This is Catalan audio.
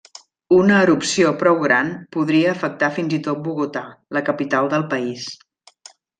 Una erupció prou gran podria afectar fins i tot a Bogotà, la capital del país.